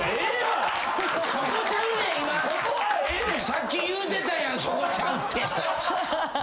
さっき言うてたやんそこちゃうって！